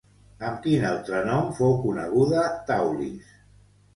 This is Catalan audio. Amb quin altre nom fou coneguda Daulis?